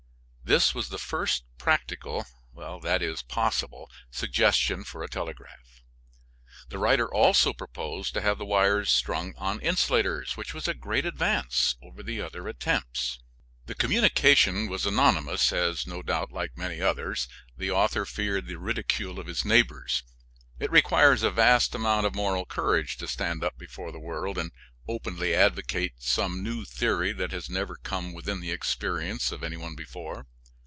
This was the first practical (i.e., possible) suggestion for a telegraph. The writer also proposed to have the wires strung on insulators, which was a great advance over the other attempts. The communication was anonymous, as no doubt, like many others, the author feared the ridicule of his neighbors. It requires a vast amount of moral courage to stand up before the world and openly advocate some new theory that has never come within the experience of any one before.